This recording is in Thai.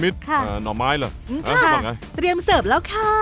ได้เลยชอบมาก